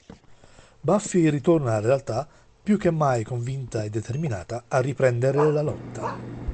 Buffy ritorna alla realtà più che mai convinta e determinata a riprendere la lotta.